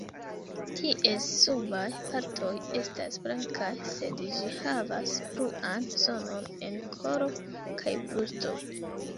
Ties subaj partoj estas blankaj, sed ĝi havas bluan zonon en kolo kaj brusto.